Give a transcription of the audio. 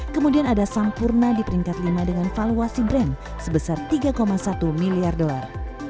kemudian ada sampurna di peringkat lima dengan valuasi brand sebesar tiga satu miliar dolar